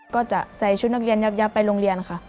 ก็จะใส่ชุดนักเรียนยับไปโรงเรียนค่ะ